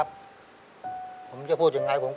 แต่ที่แม่ก็รักลูกมากทั้งสองคน